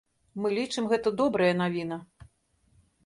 Мы лічым, гэта добрая навіна.